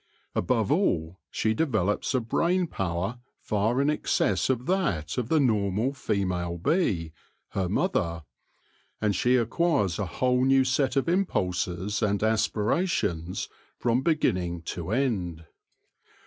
Above all, she develops a brain power far in excess of that of the normal female bee, her mother ; and she acquires a whole new set of impulses and aspirations from beginning to end.